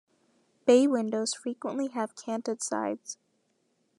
Bay windows frequently have "canted" sides.